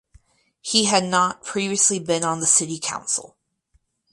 He had not previously been on the city council.